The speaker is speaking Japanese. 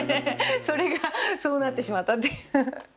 それがそうなってしまったっていう。